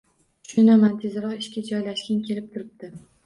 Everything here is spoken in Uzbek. Tushunaman, tezroq ishga joylashging kelib turibdi